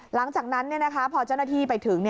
หลังจากนั้นพอเจ้าหน้าที่ไปถึง